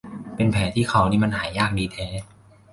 เป็นแผลที่เข่านี่มันหายยากดีแท้